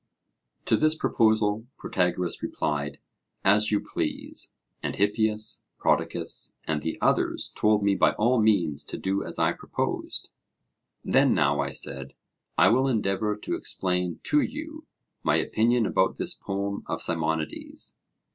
To this proposal Protagoras replied: As you please; and Hippias, Prodicus, and the others told me by all means to do as I proposed. Then now, I said, I will endeavour to explain to you my opinion about this poem of Simonides.